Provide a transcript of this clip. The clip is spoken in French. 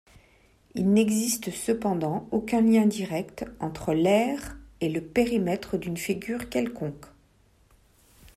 Il n'existe cependant aucun lien direct entre l'aire et le périmètre d'une figure quelconque.